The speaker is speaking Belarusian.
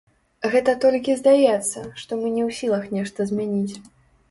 Гэта толькі здаецца, што мы не ў сілах нешта змяніць.